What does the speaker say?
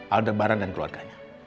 aldebaran dan keluarganya